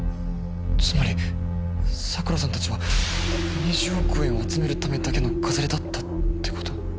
つまり桜さん達は２０億円を集めるためだけの飾りだったってこと？